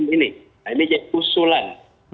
ini jadi usulan